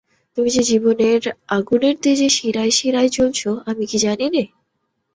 তুমি যে জীবনের আগুনের তেজে শিরায় শিরায় জ্বলছ আমি কি জানি নে?